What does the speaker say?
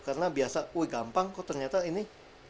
karena biasa wuih gampang kok ternyata ini